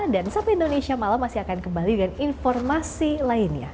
sapi indonesia malam masih akan kembali dengan informasi lainnya